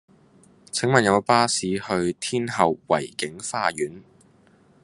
請問有無巴士去天后維景花園